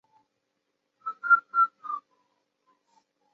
蕨森林是个布里斯本新近发展的市辖区。